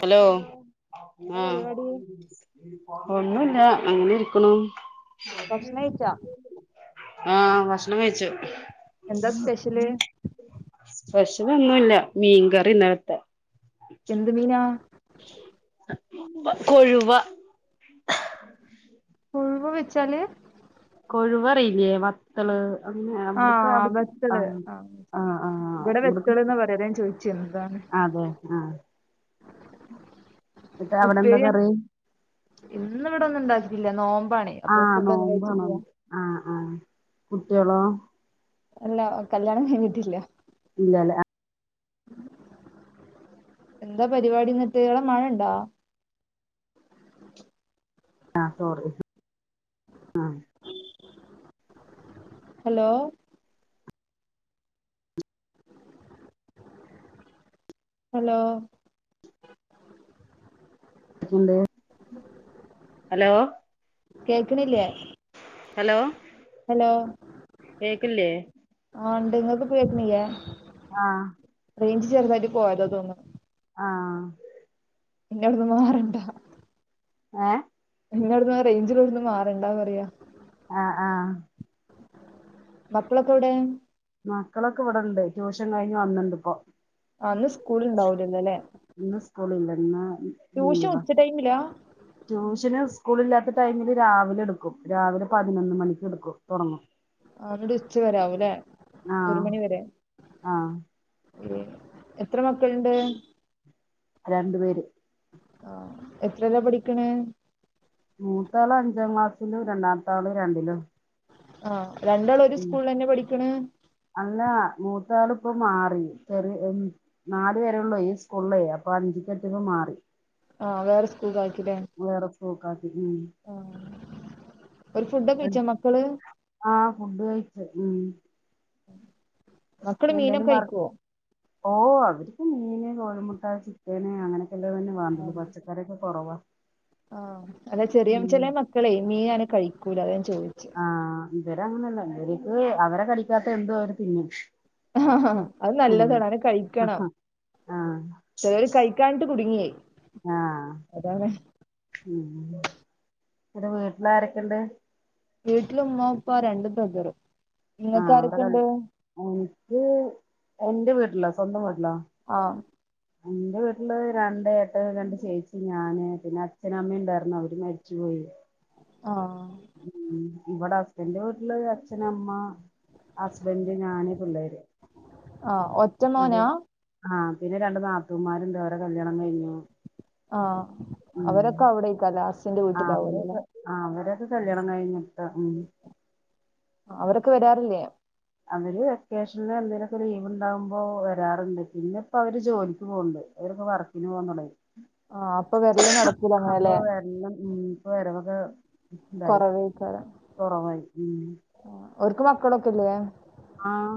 Hello എന്താ ആഹ് പരിപാടി ഒന്നുല്ല അങ്ങനെ ഇരിക്ണു. ഭക്ഷണം കഴിച്ചോ? ആഹ് ഭക്ഷണം കഴിച്ച്. എന്താ സ്പെഷ്യല് സ്പെഷ്യൽ ഒന്നുല്ല. മീൻ കറി ഇന്നലത്തെ. എന്ത് മീനാ? കൊഴുവ കൊഴുവ വെച്ചാല് കൊഴുവ അറിയില്ലേ വത്തള്. അന്നെ അവിട്ക്ക ആഹ് അവി ബത്തള് ആഹ് ആഹ് ആഹ് ഇവിടെ വെത്തള്ന്നാ [unintelligible] പറയാ അതാ ഞാൻ ചോദിച്ചേ എന്താണ് അതെ ആഹ് എന്നിട്ട് അവിടെ എന്താ ഉപ്പേരി കറി ഇന്ന് ഇവിടെ ഒന്നും ഉണ്ടാക്കില്ല നോ ആഹ് നോമ്പ നോ ആഹ് ആഹ കുട്ടികളോ ഇല്ല കല്യാണം കഴിഞ്ഞിട്ടില്ല ഇല്ലല്ലേ എന്താ പരിപാടി ഇന്നിട്ട് അവിടെ മഴ ഉണ്ടോ ആ സോറി ആഹ് ഹലോ ഹലോ ഹലോ കേൾക്കണില്ലേ ഹലോ ഹലോ കേക്കില്ലേ ആണ്ട് നിങ്ങക്ക് കേൾക്കാനില്ലേ ആഹ റേഞ്ച് ചേർന്നായിട്ട് പോയതോ തോന്നുന്നു ആഹ ഇനി ഇവിടുന്ന് മാറണ്ട ആഹ നിങ്ങടുന്ന് ആ റേഞ്ചിൽോടുന്ന് മാറേണ്ട പറയാ ആഹ ആഹ് മകളൊക്കെ എവിടെ മക്കളൊക്കെ ഇവിടെണ്ട് ട്യൂഷൻ കഴിഞ്ഞ് വന്നിണ്ട് ഇപ്പൊ ആന്ന് സ്കൂള ഉണ്ടാവലല്ലോല്ലേ ഇന്നും സ്കൂൾ ഇല്ല ഇന്ന് ലീവാ ഉച്ച ടൈമിലാ റ്റൂഷന് സ്കൂളില്ലാത്ത ടൈമില് രാവിലെ എട്ക്കും രാവിലെ പതിനൊന്ന് മണിക്ക് എട്ക്കും തൊടങ്ങും ആ എന്നിട്ട് ഉച്ച വരെ അവ് ലെ ഒരു ആഹ് മണിവരെ ആഹ് എത്ര മക്കള്ണ്ട് രണ്ടു പേര് ആഹ് എത്രലാ പഠിക്കണെ മൂത്താള് അഞ്ചാം ക്ലാസ്സിലും രണ്ടാമത്താള് രണ്ടിലും ആഹ് രണ്ടാളും ഒര് സ്കൂളിലന്നെയാ പഠിക്ക്‌ണ് ലാ മൂത്ത ആള് ഇപ്പം മാറി ചെറിയ നാലു വരേള്ളൂ ഈ സ്കൂളിലെ അപ്പം അഞ്ചിക്ക്‌ എന്നിട്ടിപ്പം മാറി ആഹ് വേറെ സ്കൂളിലാക്കി വേറെ സ്കൂൾക്ക്‌ ആക്കി ആഹ് ഒരു ഫുഡൊക്കെ ഉം കഴിച്ചോ മക്കള് ആഹ് ഫുഡ് കഴിച്ച് ഉം മക്കള് മീനൊക്കെ എന്തേലും വർ കഴിക്കുവോ ഓ അവർക്ക് മീന് കോഴിമുട്ട ചിക്കന് അങ്ങനെ ഇത് തന്നെ വാണ്ടത് പച്ചക്കറിക്കെ കുറവാ ആഹ് അല്ല ചെറിയ ഉം ചെല മക്കളെ മീൻ അങ്ങനെ കഴിക്കൂല അതാ ഞാൻ ചോയിച്ചത് ഇവരെ അങ്ങനല്ല ഇവല്ക്ക്‌ അവരെ കടിക്കാത്ത എന്തോ അവര് തിന്നും ആ അത് ഉം നല്ലതാണ് അങ്ങനെ കഴിക്കണം ആഹ് ആഹ് ചെലര് കഴിക്കാട്ട് കുടുങ്ങി ആഹ് അതാണ് ഉം പിന്നെ വീട്ടില് ആരൊക്കെണ്ട് വീട്ടില് ഉമ്മ ഉപ്പ രണ്ട് ബ്രദറും നിങ്ങൾക്ക് ആഹ് അവിടെ ആരൊക്കെ ക ഉണ്ട് എനിക്ക് എന്റെ വീട്ടിലോ സ്വന്തം വീട്ടിലോ ആഹ് എന്റെ വീട്ടില് രണ്ട് ഏട്ടനും രണ്ട് ചേച്ചി ഞാന് പിന്നെ അച്ഛനും അമ്മയും ണ്ടാരുന്നു അവര് മരിച്ചു പോയി ആഹ് ഇവ്ടെ ഹസ്ബൻന്റെ വീട്ടില് അച്ഛൻ അമ്മ ഹസ്ബൻഡ് ഞാന് പിള്ളാര് ആഹ് ഒറ്റ മോനാ ആഹ് പിന്നെ രണ്ട് നാത്തൂമാരുണ്ട് അവരെ കല്യാണം കഴിഞ്ഞു ആഹ് അവരൊക്കെ അവിടെക്കാരം ലാസ് ആ അവരൊക്കെ ആ അവരൊക്കെ കല്യാണം കഴിഞ്ഞിട്ട് ഉം ക്ക്‌ വരാറില്ലേ അവര് വെക്കേഷനില് എന്തെലുക്കെ ലീവ് ഉണ്ടാവുമ്പോ വരാറ്ണ്ട് പിന്നെ ഇപ്പോ അവര് ജോലിക്ക് പോക്ണ്ട് അവരൊക്കെ വർക്കിന് പോന്നൊണ്ടേ ആഹ് അപ്പൊ വരല് നടക്കൂല അപ്പൊ അങ്ങനെല്ലേ വരല് ഉം ഇപ്പ വരവ് അ ഉണ്ടായി കൊറവേക്കാരം കൊറവായി ഒൽക്ക് മക്കളൊക്കെല്ലെ ആഹ്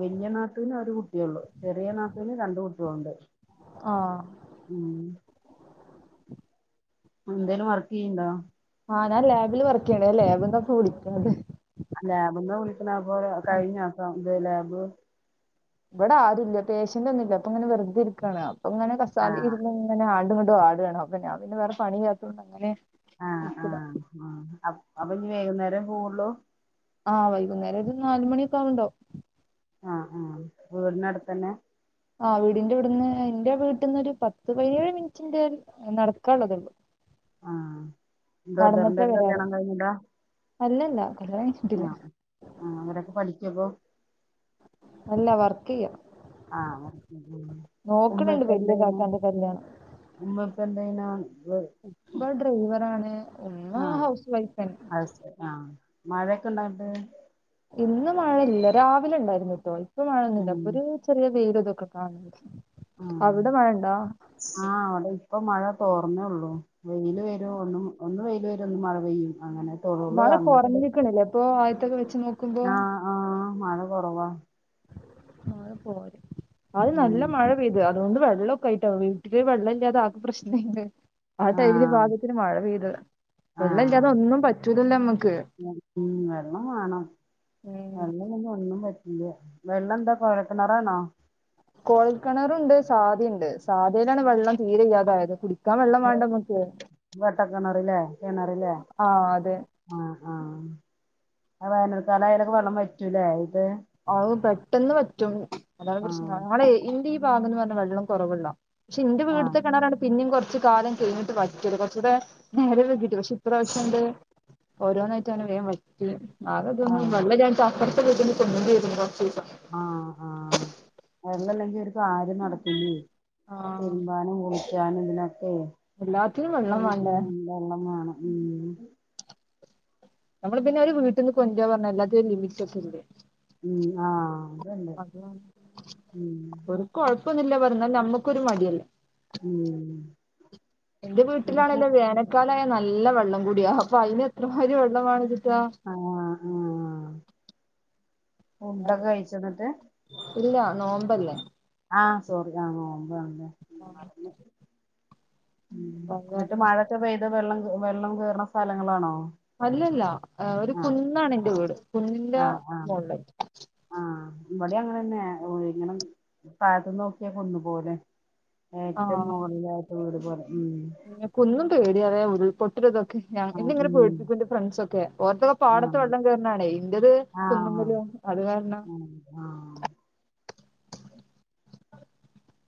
വലിയ നാത്തുന് ഒരു കുട്ടിയെഒള്ളു ചെറിയ നാത്തുന് രണ്ടു കുട്ടികളുണ്ട് ആഹ് ഉം എന്തേലും വർക്ക് ചെയ്യണ്ടോ ആഹ് ഞാൻ ലാബില് വർക്ക് ചെയ്യണെലെ അപ്പ എന്താ അപ്പ എന്താ വിളിക്ക്ണത് ലാബ്ന്ന് വിളിക്കണെ പ്പോ കഴിഞ്ഞോ സ ഇത് ലാബ് ഇവിടെ ആരുല്ല പേഷ്യന്റ് ഒന്നും ഇല്ല അപ്പൊങ്ങനെ വെറുതെ ഇരിക്കാണ് അപ്പൊ ഇങ്ങനെ കസാലെ ആഹ് ഇരുന്ന് ഇങ്ങനെ ആട് ടു ആടുആണോ അപ്പൊ ഞാൻ പിന്നെ വേറെ പണിയില്ലാത്തോണ്ട് അങ്ങനെ ആഹ് നിച്ചതാ ആഹ് ആ അപ്പൊ ഇഞ്ഞി വൈകുന്നേരം പോവൊള്ളു ആഹ് വൈകുന്നേരം ഒരു നാലുമണിയൊക്ക ആവുണ്ടാവും ആഹ് ആ വീടിനടുത്തന്നെ ആഹ് വീടിന്റെ ഇവിടുന്ന് എന്റെ വീട്ടിന്ന് ഒരു പത്ത് പതിനേഴ് മിനിറ്റിന്റെ നടക്കാള്ളത് ള്ളൂ ആഹ് ബ്രദറിന്റെ ഒക്കെ വരാറ് കല്യാണം കഴിഞ്ഞതാ അല്ലല്ല കല്യാണം കഴിഞ്ഞിട്ടില്ല ആഹ് ആ അവരൊക്കെ പഠിക്കപ്പൊ അല്ല വർക്ക് ചെയ്യാ ആ [unintelligible] നോക്കണുണ്ട് വലിയ എന്താണ് കാക്കാന്റെ കല്യാണം ഉമ്മ ഉപ്പ എന്ത് ചെയ്യണ് വെ ഇപ്പൊ ഡ്രൈവർ ആണ് ഒന്ന് ഹൗസ് വൈഫന്ന മഴൊക്കെ ഉണ്ടായിട്ട്ണ്ട ഇന്ന് മഴ ഇല്ല രാവിലെ ഉണ്ടായിരുന്നു കേട്ടോ ഇപ്പൊ മഴൊന്നുമല്ല ആഹ് ഇപ്പൊ ഒരു ചെറിയ വെയില ഇതൊക്കെ കാണ ആ ആ അവിടെ ഇപ്പൊ മഴ തോർന്നേ ഉള്ളൂ വെയിൽ വരോ ഒന്നും ഒന്ന് വേൽ വരും ഒന്ന് മഴ പെയ്യും അങ്ങനെ തൊഴൂള് മഴ അങ്ങട്ട് കൊറഞ്ഞിരിക്കണില്ലേ ഇപ്പൊ ആദ്യത്തൊക്കെ വെച്ച് നോക്കുമ്പോ ആഹ് ആഹ് മഴ കുറവാ ആ പോര് അത് ഉം നല്ല മഴ പെയ്തു അതൊക്കെ വെള്ളമൊക്കെ ആട്ടോ വീട്ടില് വെള്ളമില്ലാതൊക്കെ ആകെ പ്രശ്നംണ്ട്ട്ടോ ആടൈമിൽ ആഹ് ഭാഗ്യത്തിന് മഴ പെയ്തില്ല ആഹ് വെള്ളല്ലാതെ ഒന്നും പറ്റൂലല്ലോ നമ്മക്ക് ഉം വെള്ളൊന്നും ഒന്നും പറ്റില്ല വെള്ളം എന്താ കുഴൽ കിണറാണോ കോൽക്കിണറുണ്ട് സാദയുണ്ട് സാധയിലാണ് വെള്ളം തീരെയില്ലാതായത് കുടിക്കാൻ വെള്ളം വേണ്ടേമ്മക്ക് കിണറില്ലേ കിണറില്ലേ അതെ ആ ആ ആ വേനൽ കാലം അയലൊക്കെ വെള്ളം പറ്റൂലേ ഇത് അ പെട്ടെന്ന് വറ്റും അതാണ് ആ പ്രശ്നം നമ്മടെ ഇന്റെ ഈ ഭാഗം എന്ന് പറഞ്ഞാ വെള്ളം കുറവുള്ള പക്ഷെ എന്റെ ആ വീടത്തെ കിണറാണ് പിന്നേം കുറച്ചു കാലം കഴിഞ്ഞിട്ട് വറ്റത് കുറച്ചുകൂടെ നേരരെ വറ്റിട്ട് പക്ഷെ ഇപ്രാവശ്യംണ്ട് ഓരോന്നായിട്ടാണ് വേഗൻ പറ്റി ആ ആകെന്ന നല്ല [unintelligible] [unintelligible] ആ ആ വെള്ളല്ലെങ്കി ഒരു കാര്യോം നടക്കൂല്ല ആഹ് തിരുമ്പാനും കുളിക്കാനും ഇതിനൊക്കെ എല്ലാത്തിനും വെള്ളം വേണ്ടേ വെള്ളംവേണം മ് നമ്മള് പിന്നെ ഒരു വീട്ടന്ന് കൊണ്ടോവാൻ പറഞ്ഞ എല്ലാത്തും ലിമിറ്റ് ഒക്കേ ഇല്ലേ മ് ആ അതണ്ട് ഒക്കും കുഴപ്പൊന്നില്ല പറഞ്ഞാൽ നമ്മുക്കൊരു മടിയാണ് മ് എന്റെ വീട്ടിലാണെല്ലോ വേനക്കാലായ നല്ല വെള്ളം കൂടിയ അപ്പൊ അതിന് എത്രമാതിരി വെള്ളമാണ് ആ ആ ഫുഡൊക്കെ കഴിച്ചൊ എന്നിട്ട് ഇല്ല നോമ്പല്ലേ ആ സോറി ആ [unintelligible] ഉം അത് എന്നിട്ട് കാരണം മഴയൊക്കെ പെയ്ത് വെള്ളം വെള്ളം കയറുന്ന സ്ഥലങ്ങളാണോ അല്ലല്ല ഒരു ആഹ് കുന്നാണ് എന്റെ വീട് കുന്നിന്റെ മുകളില് ഇടെ അങ്ങനെന്നെ ഇങ്ങനെ താഴത്തന്ന് നോക്കിയ കുന്നു പോലെ ഏറ്റവും മുകളിലായിട്ട് വീട് [unintelligible] എനിക്കുന്നും പേടിയത ഉരുൾപൊട്ടലും ഞാൻ എ ആഹ് ഇങ്ങനെ ഉം പേടിപ്പി [unintelligible] ഫ്രണ്ട് ഒക്കെ ഓർത്തൊക്കെ പാടത്ത് ആഹ് വെള്ളം കേയറാണേ ഇന്റത് ആഹ് കുന്നുമേൽ അത് കാരണം ആഹ് ആഹ്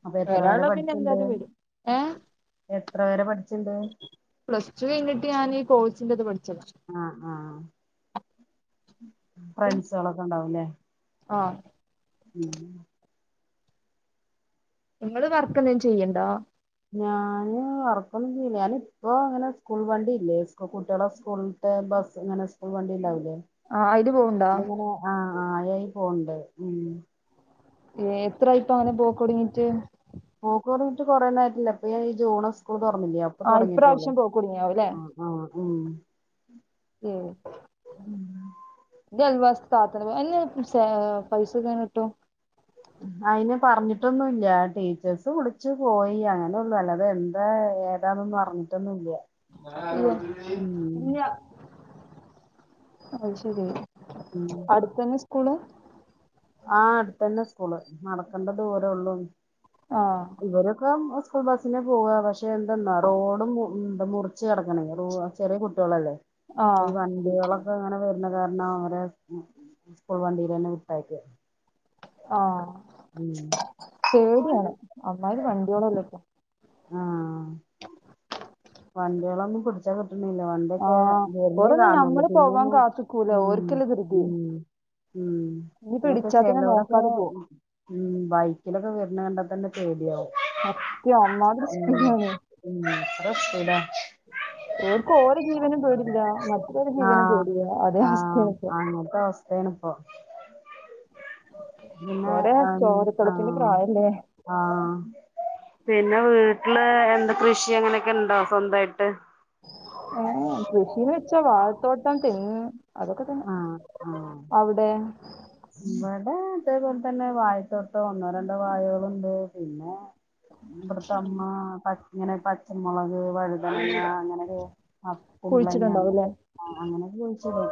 അപ്പൊ എത്ര പേരെ വരാനുള്ളത് പിന്നെ പഠിച്ചുണ്ട് എന്തായാലും വരും എത്ര പേരെ പഠ പ്ലസ്ടു കഴിഞ്ഞിട്ട് ഞാൻ ഈ കോഴസിന്റെത് പഠിച്ച ആ ആ ഫ്രണ്ട്സുകളൊക്കെ ഉണ്ടാവുല്ലേ ആ ഉം നിങ്ങള് വർക്ക് എന്തേലും ചെയ്യണ്ടോ ഞാന് വർക്കൊന്നും ചെയ്യല്ല ഞാന് ഇപ്പോ അങ്ങനെ സ്കൂൾ വണ്ടിയില്ലേ കുട്ടികളെ സ്കൂൾ ടൈ ബസ് എങ്ങനെ സ്കൂൾ വണ്ടി ഇണ്ടാവില്ലേ ആ അയില് പോവണ്ടാ ആ ആയായി പോണ്ണ്ട് മ് ഏ എത്ര ഇപ്പ അങ്ങനെ പോ തുടുങ്ങിട്ട് റഞ്ഞിട്ട് കുറേ നോയിട്ടില്ല ഇപ്പൊ ഈ ജൂണ സ്കൂൾ തുറന്നില്ലേ അപ്പൊ ആഹ് തുടങ്ങിട്ടുള്ളൂ ഇപ്രാവശ്യം പോക്ക് കുടുങ്ങിയാവും ഓ ഉം ലവാസത്ത എന്നെ പൈസ തിട്ടോ അയിന് പറഞ്ഞിട്ടൊന്നുംല്ല ടീച്ചേഴസ് വിളിച്ചു പോയി അങ്ങനെള്ളൂ അല്ലാതെ എന്താ ഏതാന്നൊന്നും അറിഞ്ഞിട്ടൊന്നും ഇല്ല ഇ ശരി ഉം അടുത്ത തന്നെ സ്കൂള് ആ അടുത്ത തന്നെ സ്കൂള് നടക്കണ്ടത് ദൂരേള്ളൂ ആഹ് ഇവരൊക്കെ ൾ ബസ്സിനന് പോവുക പക്ഷെ എന്തെന്നാ റോഡും എന്ത മുറിച്ച് കിടക്കണെങ്കിൽ ചെറിയ കുട്ടികളല്ലേ ഈ ആഹ് വണ്ടികളൊക്കെ അങ്ങനെ വ കാരണം അവരെ സ്കൂൾ വണ്ടിൽ തന്നെ വിട്ടായിക്ക് ആഹ പേടിയാണ് അമ്മ്മമാര് വണ്ടിയോളല്ലക്കോ ആഹ് വണ്ടികളൊന്നും പിടിച്ച കി നിലവണ്ടൊക്കെ ആഹ് വലേ ഓരൊന്നും കാണുള്ളു നമ്മള് പോവാൻ പിന്നന്ന കാത്ത്ക്കൂല ഉ ഓര്ക്കല്ലേ ഉ ധൃതി ഉം ഇനിയിപ്പോ പിനൊക്കെ ഇടിച്ചാ തന്നെ ചെിലരൊക്കെ നോക്കാതെ പോവും ഉ ബൈക്കിലൊക്കെ വ കണ്ടാ തന്നെ ചേദിയാവവും അത്യ അമാതിരി സാണ് ഉം എത്ര സ്പീഡാ ഓർക്കും ഓരോ ജീവനും പേടില്ല മറ്റുള്ളോരെ ജീവനും ആഹ പേടില്ല അതേ ആഹ അവസ്ഥയാണ് ഇപ്പൊ അങ്ങത്തെ അവസ്ഥയണ ഇപ്പ പിന്നെ ഓരെ ആഹ ചോരത്തിളപ്പിന്റെ പ്രായല്ലേ ആഹ പിന്നെ വേ വീട്ടില് എന്ത്ാ കൃഷി അങ്ങനെയൊക്കെണ്ടോ സ്വന്തായിട്ട് തോട്ടം തെങ് അതൊക്കെ തെങ് ആഹ് ആഹ് അവിടെ ഇവിടെ അതേപോലെ തന്നെ വായത്തോട്ടം ഒന്നോ രണ്ടോ വായകുകളുണ്ട് പിന്നെ ഇവിടത്തെ അമ്മ ഇങ്ങനെ പച്ചമുളക് വഴുതണങ്ങ അങ്ങനൊ ആ കുമ്പളങ്ങ അങ്ങ കുഴിച്ചിട്ടുണ്ടാവുംല്ലേ അങ്ങനെയൊക്കെ ചോയിിച്ചടും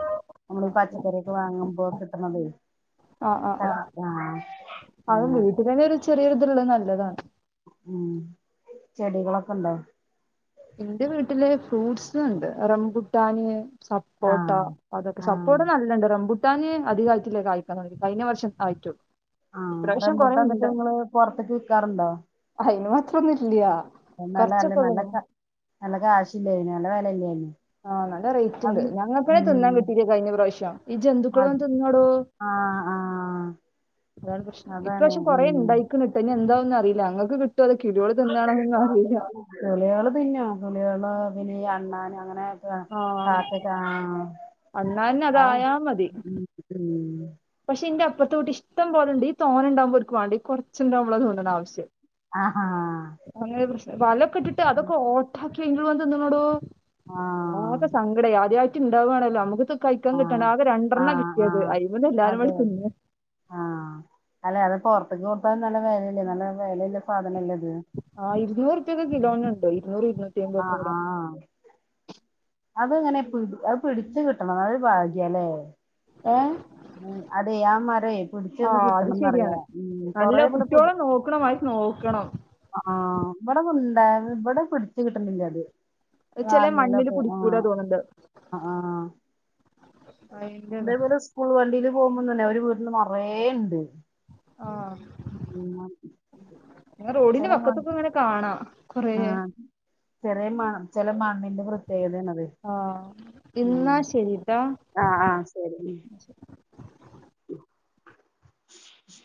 നമ്മളീഈ ആഹ് പച്ചക്കറൊക്കെ വാങ്ങുമ്പോ കിട്ടണതേ ആഹ ആഹ് ആഹ അത് അങ്ങനെ വീട്ടിൽ തന്നെ ഒരു ചെറിയൊരിതള്ളത് നല്ലതാണ് ഉം ചെടികളൊക്കെണ്ടോ എന്റെ വീട്ടില് ഫ്രൂട്ട്സ് ഉണ്ട് റംകുട്ടാന് സപ്പോർട്ടാ ആഹ് അതൊക്കെ ആഹ് സപ്പോർട്ട് നല്ലണ്ട് റംുട്ട ാനേ അധിക ആയറ്റിലേക്ക് ആയ്ാൻി കഴിഞ്ഞ വർഷം ആയിട്ടോ ആഹ് ഇപ്രാവശ്യം റംബൂട്ടാൻ എന്നിട്ട് കൊറുണ്ട് നിങ്ങള് പുറത്തേക്ക് വിക്കാറുണ്ടോ അയിന് മാത്രൊന്നുംല്ലയ നല്ല അല്ല നല്ല നല്ല കാശില്ലായിന് നല്ല വില ഇല്ലായിന് ആഹ് നല്ല റേറ്റ് ഉണ്ട് ഞങ്ങ എപ്പഴേ തിന്നാൻ ഉം കിട്ടീല്ലേ കഴിഞ്ഞ പ്രാവശ്യം ഈ ജന്തുക്കള വന്ന് തിന്നോടോ ആഹ ആഹ അതാണ് പ്രശ്ം ഇപ്പ്ര പശം കുറെേ ഉണ്ടായിക്കിട്ട്നി എന്താവന്നും അറിയില്ല അങ്ങൾക്ക് കിട്ട മലയാള തന്നെയ മലയാള വിനി അണ്ണൻ അങ്ങനെയൊക്കെ കാത്തക്ക ആ അന്നന്ന അത് അതായ മതി ഉം ഉം പക്ഷെ ഇന്റെ അപ്പുത്തെ കട്ട ഇഷ്ടം പോലണ്ട് ഈ തോെണ്ടക്പോൾക്ക വണ്ട കുറച്ചുണ്ടാവ്പോ തോന്നണ ആവ്യം ആഹഹ വലൊക്കെ ഇട്ടിട്ട് അതൊക്കെ ഓട്ടാക്കി എെങ്കിലും വ തന്നോട ആ ആക്കെ സങ്കട ആദ്യട്ട് ഉണ്ടാവവാണല്ലോ നമുക്ക് കഴിക്കൻ കിട്ട ആ ആ രെണ്ണ ആ കിട്ടിയത് അയിമന്ന് എല്ലാരും അതെ കൂടി തിന്ന് ആഹ അല്ലെ അത് പറ ഇ കൊടുത്താലും നല്ല വിലല്ല നല്ല വിലലല്ല സാധനംല്ല ആ് ഇരുന്നൂറുപ ഒക്കെ കിലോന്ന ഉണ്ടോ ഇരുന്നൂറ് ഇരുന്നൂറ്റി അമ്പ ഒക്കെ ഇട അത്ങ്ങനെ പി അത് പിടിച്ചു കിട്ടണം എന്ന ഒരു ഭാഗ്യല്ലേ ഏ അതെ ആ മര പിടിച്ചൊന്ന് അത് കിട്ടണംന്ന്റിയ ശരിയാണ് ഉ കൊറേ ഇവിടെ പിടി ൂക്കണം ആഹ ഇവിടെണ്ട ഇവിടെ പിടിച്ചു കിട്ടണ്ടെങ്കിൽ അത് ചെല മണ്ണില് വാങ്ങിയാലൊക്കെ ആ കുടിക്കൂടാ തോന്നുന്നത് ആ ആ. ഇതേപോലെ സ്കൂൾ വണ്ടിയില് പോകുമ്പോന്നന്നെ അവര് വീട്ടന്ന് മറേുണ്ട് ആഹ റോഡിന്റെ ചില മണ്ണ് പക്കത്തൊക്കെ ഇങ്ങനെ കാണാ ആ കുറയ ചെറിയ മ ചെില മണ്ണിന്റെ പ്രത്യേകതയാണത് ആഹ് ഉ എന്നാ ശരിട്ടാ ആഹ് ആഹ ശരി ഉ